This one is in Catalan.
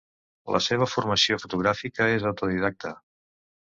La seua formació fotogràfica és autodidacta.